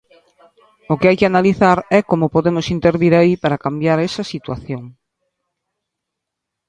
O que hai que analizar é como podemos intervir aí para cambiar esa situación.